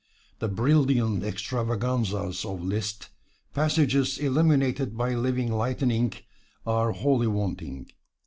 The brilliant extravaganzas of Liszt passages illumined by living lightning are wholly wanting.